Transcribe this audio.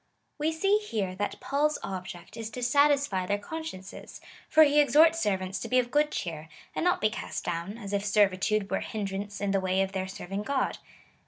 We see here that Paul's object^ is to satisfy their consciences ; for he exhorts servants to be of good cheer, and not be cast down, as if servitude were a hinderance in the way of their serving God.